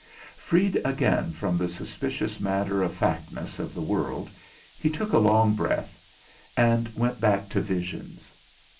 Freed again from the suspicious matter of factness of the world, he took a long breath, and went back to visions.